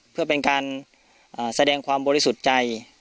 เพื่อเป็นการแสดงความบริสุทธิ์ใจ